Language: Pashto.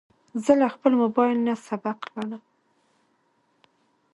زه له خپل موبایل نه سبق لولم.